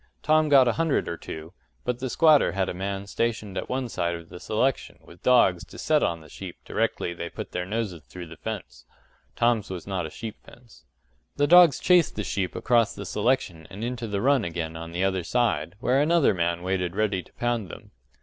Tom got a hundred or two, but the squatter had a man stationed at one side of the selection with dogs to set on the sheep directly they put their noses through the fence (Tom's was not a sheep fence). The dogs chased the sheep across the selection and into the run again on the other side, where another man waited ready to pound them.